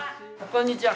こんにちは。